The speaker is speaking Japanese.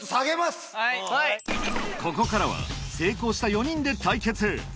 ここからは成功した４人で対決